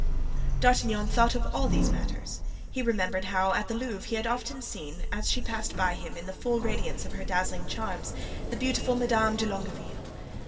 D'Artagnan thought of all these matters. He remembered how at the Louvre he had often seen, as she passed by him in the full radiance of her dazzling charms, the beautiful Madame de Longueville.